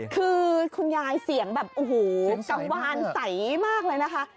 คือคุณยายเสียงแบบกะวานไสมากเลยนะคะ